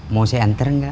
mau saya hantar gak